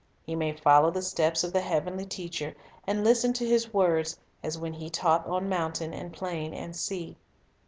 He may follow the steps of the heavenly Teacher, and listen to His words as when He taught on mountain and plain and sea.